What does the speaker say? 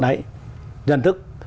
đấy nhận thức